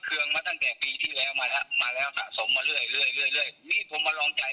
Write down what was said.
เขาบอกว่าเออโอนให้ผมได้ไหม